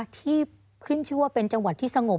ที่ขึ้นชื่อว่าเป็นจังหวัดที่สงบ